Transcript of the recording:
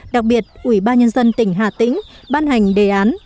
đặc biệt ủy ban nhân dân tỉnh hà tĩnh ban hành đề án